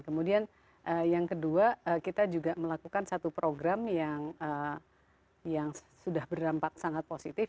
kemudian yang kedua kita juga melakukan satu program yang sudah berdampak sangat positif